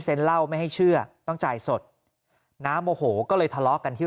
เล่าไม่ให้เชื่อต้องจ่ายสดน้าโมโหก็เลยทะเลาะกันที่